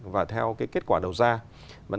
và theo cái kết quả đầu ra